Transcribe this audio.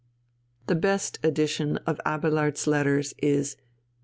The best edition of Abélard's letters is _P.